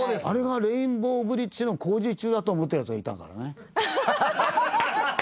あれがレインボーブリッジの工事中だと思ってるヤツがいたからね。